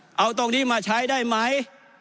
และลองทรงนี้มาใช้ได้ไหม